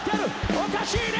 「おかしいね」